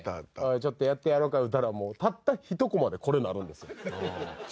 ちょっとやってやろうかいうたらたった一こまでこれなるんですよ。